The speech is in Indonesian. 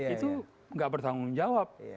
itu gak bertanggung jawab